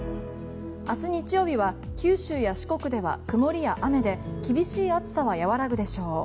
明日日曜日は九州や四国では曇りや雨で厳しい暑さは和らぐでしょう。